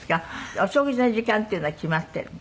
お食事の時間っていうのは決まっているの？